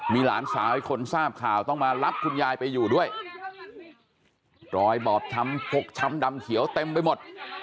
มีหลานสาวอีกคนทราบข่าวต้องมารับคุณยายไปอยู่ด้วยรอยบอบช้ำพกช้ำดำเขียวเต็มไปหมด